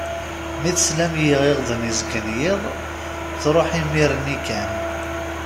Mi tesla m yiɣiɣden izeggen yiḍ, truḥ imir-nni kan.